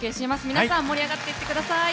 皆さん盛り上がっていってください。